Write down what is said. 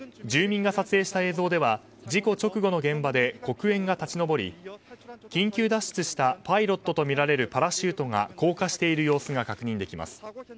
住民が撮影した映像では事故直後の現場で黒煙が立ち上り、緊急脱出したパイロットとみられるパラシュートが降下している様子が確認できます。